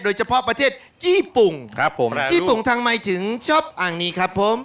โดยเฉพาะประเทศญี่ปุ่งญี่ปุ่งทำไมถึงชอบอันนี้ครับผม